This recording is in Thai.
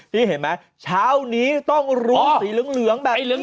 นี่เห็นไหมเช้านี้ต้องรุ้งสีเหลืองแบบนี้